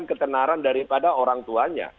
ini adalah kesalahan ketenaran daripada orang tuanya